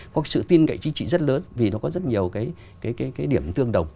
có sự tin cậy chính trị rất lớn vì nó có rất nhiều cái điểm tương đồng